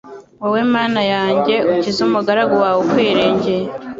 wowe Mana yanjye ukize umugaragu wawe ukwiringiye